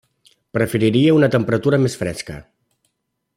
Preferiria una temperatura més fresca.